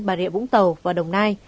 bà rịa vũng tàu và đồng nai